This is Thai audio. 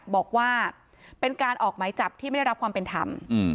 บอกว่าเป็นการออกหมายจับที่ไม่ได้รับความเป็นธรรม